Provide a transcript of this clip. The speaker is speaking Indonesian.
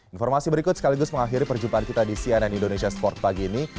informasi berikut sekaligus mengakhiri perjumpaan kita di cnn indonesia sport pagi ini